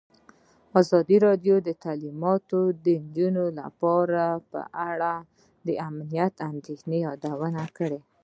ازادي راډیو د تعلیمات د نجونو لپاره په اړه د امنیتي اندېښنو یادونه کړې.